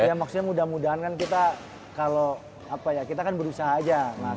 ya maksudnya mudah mudahan kan kita kalo apa ya kita kan berusaha aja mas